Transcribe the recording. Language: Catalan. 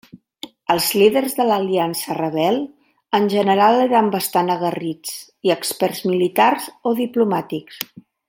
Els Líders de l'Aliança Rebel en general eren bastant aguerrits i experts militars o diplomàtics.